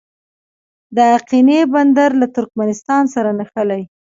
د اقینې بندر له ترکمنستان سره نښلي